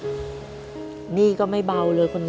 หนี้ก็ไม่เบาเลยคุณลูก